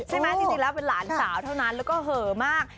จริงแล้วเป็นหลานสาวเท่านั้นแล้วก็เหอะมาก